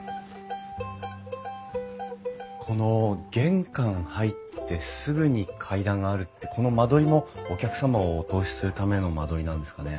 この玄関入ってすぐに階段があるってこの間取りもお客様をお通しするための間取りなんですかね？